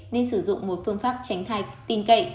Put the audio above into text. nên sử dụng một phương pháp tránh thai tin cậy